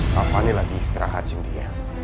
kak fani lagi istirahat cynthia